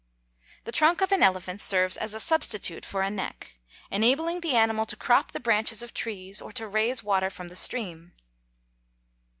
_ The trunk of an elephant serves as a substitute for a neck, enabling the animal to crop the branches of trees, or to raise water from the stream.